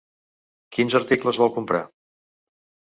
Quins articles vol comprar?